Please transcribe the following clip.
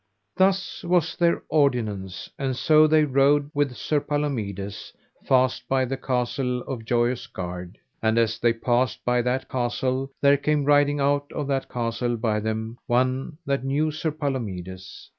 Thus was their ordinance; and so they rode with Sir Palomides fast by the castle of Joyous Gard. And as they passed by that castle there came riding out of that castle by them one that knew Sir Palomides.